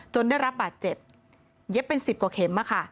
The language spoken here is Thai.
ได้รับบาดเจ็บเย็บเป็น๑๐กว่าเข็ม